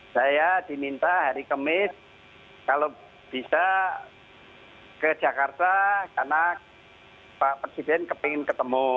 saya diminta hari kemis kalau bisa ke jakarta karena pak presiden kepengen ketemu